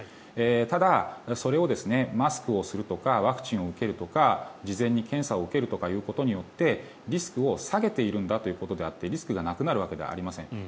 ただ、それをマスクをするとかワクチンを受けるとか事前に検査を受けるということによってリスクを下げているんだということであってリスクがなくなるわけではありません。